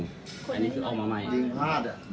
ส่วนสุดท้ายส่วนสุดท้าย